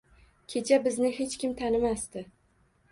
Kecha bizni hech kim tanimasdi.